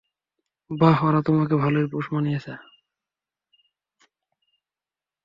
বাহ, ওরা তোমাকে ভালোই পোষ মানিয়েছে!